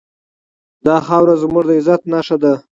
دا خاوره زموږ د عزت نښه ده.